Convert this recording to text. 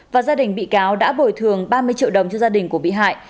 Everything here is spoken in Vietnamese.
và gia đình bị cáo đã bồi thường ba mươi triệu đồng cho gia đình của bị hại